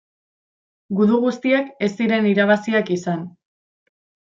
Gudu guztiak ez ziren irabaziak izan.